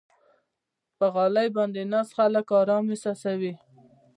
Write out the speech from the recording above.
په غالۍ باندې ناست خلک آرام احساسوي.